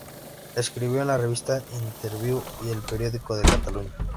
Escribió en la revista "Interviú" y "El Periódico de Cataluña".